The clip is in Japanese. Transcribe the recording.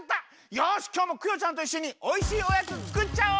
よしきょうもクヨちゃんといっしょにおいしいおやつつくっちゃおう！